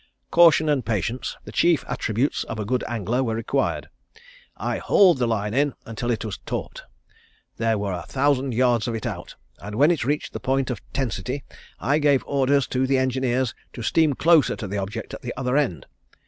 Caution and patience, the chief attributes of a good angler were required. I hauled the line in until it was taut. There were a thousand yards of it out, and when it reached the point of tensity, I gave orders to the engineers to steam closer to the object at the other end.